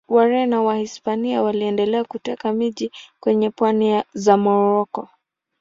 Wareno wa Wahispania waliendelea kuteka miji kwenye pwani za Moroko.